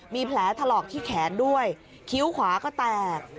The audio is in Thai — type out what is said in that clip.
มีแผลถลอกที่แขนด้วยคิ้วขวาก็แตก